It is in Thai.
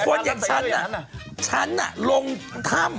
คนอย่างฉันน่ะฉันฉันลงถ้ำ